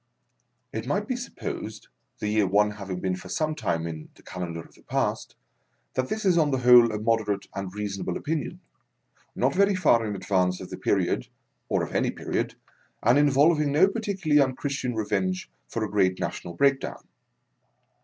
It might be supposed, the year One having been for some time in the calendar of the past, that this is on the whole a moderate and reasonable opinion — not very far in advance of the period, or of any period, and involving no particularly unchristian revenge for a great national break down.